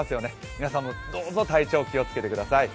皆さんもどうぞ体調、気をつけてください。